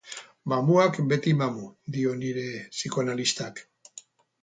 Mamuak beti mamu, dio nire psikoanalistak.